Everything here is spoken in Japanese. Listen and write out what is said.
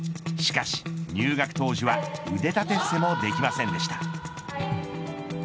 しかし、入学当時は腕立て伏せもできませんでした。